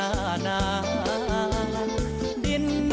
ขอบคุณทุกคน